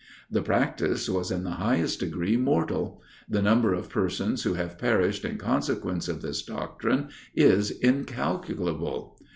The practice was in the highest degree mortal; the number of persons who have perished in consequence of this doctrine is incalculable.